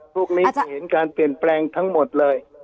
พวกนี้จะเห็นการเปลี่ยนแปลงทั้งหมดเลย